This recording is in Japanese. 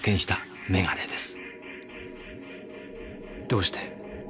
どうして？